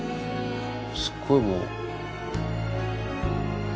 すっごいもう。